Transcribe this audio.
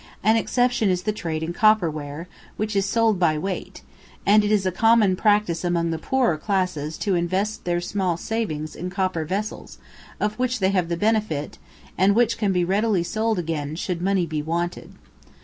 An exception is the trade in copper ware, which is sold by weight, and it is a common practice among the poorer classes to invest their small savings in copper vessels of which they have the benefit, and which can readily be sold again should money be wanted.